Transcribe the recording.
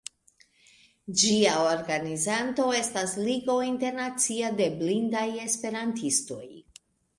Ĝia organizanto estas Ligo Internacia de Blindaj Esperantistoj.